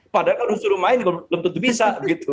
padahal sudah suruh main belum tentu bisa